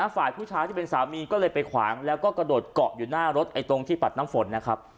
ฝ่ายผู้ชายที่เป็นสามีก็เลยไปขวางแล้วก็กระโดดเกาะอยู่หน้ารถตรงที่ปัดน้ำฝนนะครับ